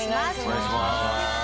お願いします。